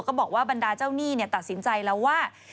บอกว่าบรรดาเจ้าหนี้ตัดสินใจแล้วว่า